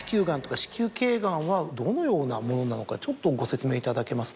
どのようなものなのかちょっとご説明いただけますか。